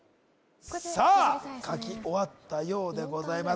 さあ書き終わったようでございます